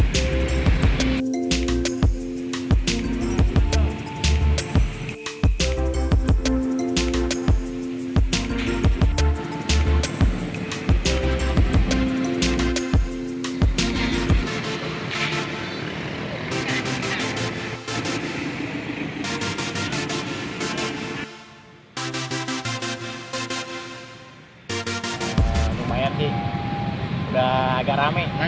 berapa jam jalan ini